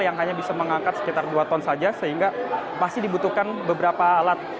yang hanya bisa mengangkat sekitar dua ton saja sehingga pasti dibutuhkan beberapa alat